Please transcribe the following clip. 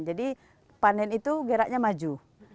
jadi panen itu geraknya maju